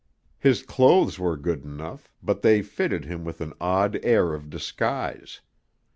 His clothes were good enough, but they fitted him with an odd air of disguise.